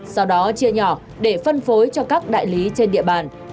sau đó chia nhỏ để phân phối cho các đại lý trên địa bàn